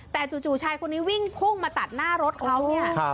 แต่จู่ชายคนนี้วิ่งพุ่งมาตัดหน้ารถเขาเนี่ย